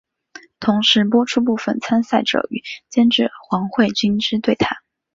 同时播出部分参赛者与监制黄慧君之对谈。